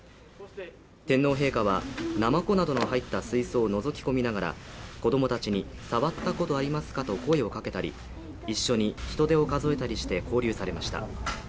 天皇陛下は、なまこなどの入った水槽をのぞき込みながら子供たちに触ったことありますかと声をかけたり、一緒にヒトデを数えたりして交流されました。